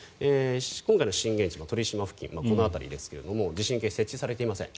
今回の震源地は鳥島近海この辺りですが地震計設置されていません。